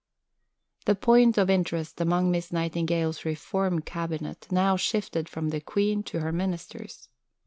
V The point of interest among Miss Nightingale's Reform "Cabinet" now shifted from the Queen to her Ministers.